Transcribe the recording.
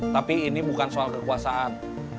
tapi ini bukan soal kekuasaan